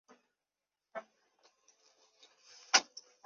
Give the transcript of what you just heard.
我有被戏弄的感觉